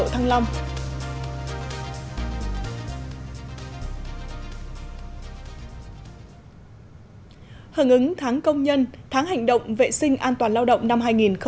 tháng hành động vệ sinh an toàn lao động năm hai nghìn một mươi chín